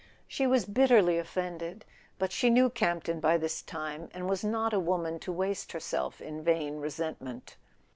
She was bitterly offended; but she knew Camp ton by this time, and was not a woman to waste herself in vain resentment.